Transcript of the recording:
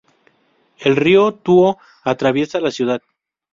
El Río Tuo atraviesa la ciudad.